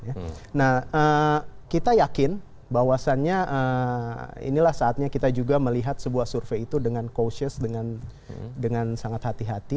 nah kita yakin bahwasannya inilah saatnya kita juga melihat sebuah survei itu dengan causious dengan sangat hati hati